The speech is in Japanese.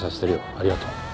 ありがとう。